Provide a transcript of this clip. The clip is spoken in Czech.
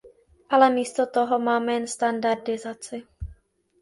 Ale místo toho máme jen standardizaci.